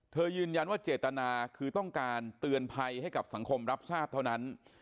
ยืนยันว่าเจตนาคือต้องการเตือนภัยให้กับสังคมรับทราบเท่านั้น